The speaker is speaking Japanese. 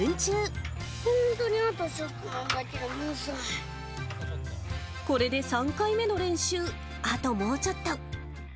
本当にあとちょっとなんだけこれで３回目の練習、あともうちょっと。